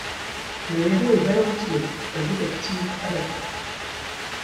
Le héros est Valentino, un détective amateur.